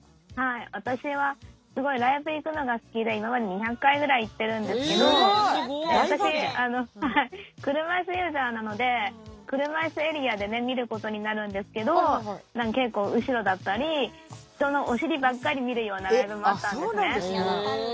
私はすごいライブに行くのが好きで今まで２００回ぐらい行っているんですけど私、車いすユーザーなので車いすエリアで見ることになるんですけど結構後ろだったり人のお尻ばかり見るようなライブもあったりするんですね。